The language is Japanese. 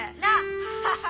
ハハハッ！